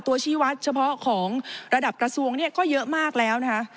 ชีวัตรเฉพาะของระดับกระทรวงเนี่ยก็เยอะมากแล้วนะคะ